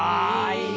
いい！